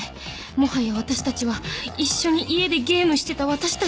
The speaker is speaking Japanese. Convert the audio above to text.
もはや私たちは一緒に家でゲームしてた私たちとは違うのね